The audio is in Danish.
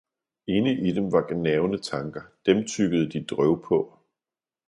inde i dem var gnavne tanker, dem tyggede de drøv på.